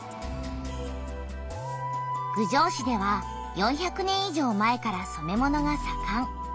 郡上市では４００年いじょう前から染め物がさかん。